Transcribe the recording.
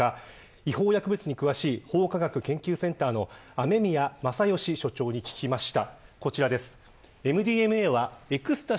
違法薬物に詳しい法科学研究センターの雨宮正欣所長に聞きました。